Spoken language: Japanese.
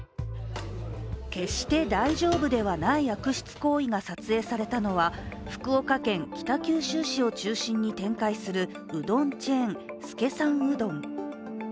決して大丈夫ではない悪質行為が撮影されたのは、福岡県北九州市を中心に展開するうどんチェーン・資さんうどん。